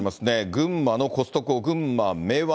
群馬のコストコ、群馬明和